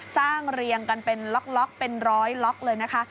เรียงกันเป็นล็อกเป็นร้อยล็อกเลยนะคะ